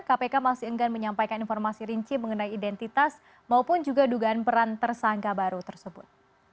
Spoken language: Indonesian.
kpk masih enggan menyampaikan informasi rinci mengenai identitas maupun juga dugaan peran tersangka baru tersebut